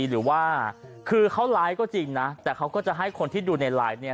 หรือว่าคือเขาไลฟ์ก็จริงนะแต่เขาก็จะให้คนที่ดูในไลน์เนี่ย